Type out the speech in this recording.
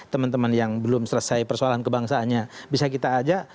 teman teman yang belum selesai persoalan kebangsaannya bisa kita ajak